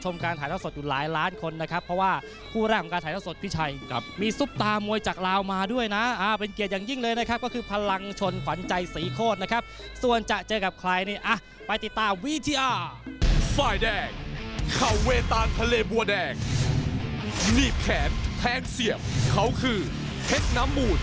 มาด้วยนะอ่าเป็นเกียรติอย่างยิ่งเลยนะครับก็คือพลังชนฝันใจสีโค้ดนะครับส่วนจะเจอกับใครนี่อ่ะไปติดตามวิทยา